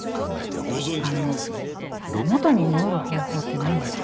あの元に戻る方法ってないんですか？